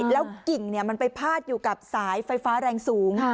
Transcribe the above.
แล้วกิ่งมันไปพาดอยู่กับสายไฟฟ้าแรงสูง